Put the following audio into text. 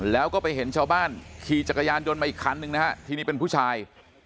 แล้วก็ไปเห็นชาวบ้านขี่จักรยานยนต์มาอีกคันนึงนะฮะทีนี้เป็นผู้ชาย